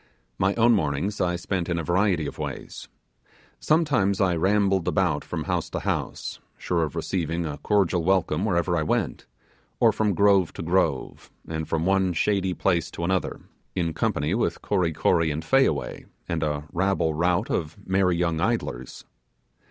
My own mornings I spent in a variety of ways. Sometimes I rambled about from house to house, sure of receiving a cordial welcome wherever I went; or from grove to grove, and from one shady place to another, in company with Kory Kory and Fayaway, and a rabble rout of merry young idlers.